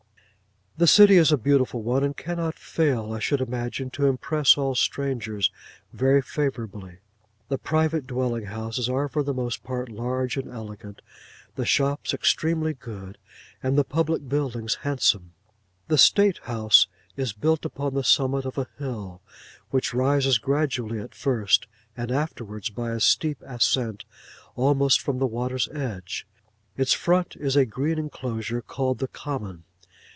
The city is a beautiful one, and cannot fail, I should imagine, to impress all strangers very favourably. The private dwelling houses are, for the most part, large and elegant; the shops extremely good; and the public buildings handsome. The State House is built upon the summit of a hill, which rises gradually at first, and afterwards by a steep ascent, almost from the water's edge. In front is a green enclosure, called the Common.